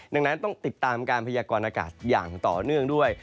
ดังนั้นต้องติดตามการพยากรณากาศอย่างต่อเนื่องด้วย